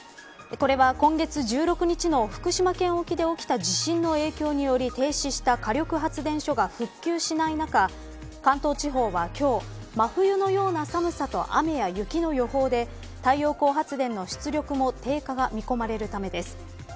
これは、今月１６日の福島県沖で起きた地震の影響により停止した火力発電所が復旧しない中関東地方は今日真冬のような寒さと雨や雪の予報で太陽光発電の出力も低下が見込まれるためです。